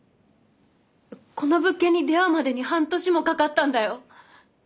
この物件に出会うまでに半年もかかったんだよ。